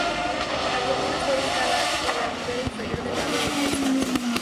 La comuna está ubicada en la ribera inferior del lago de Constanza.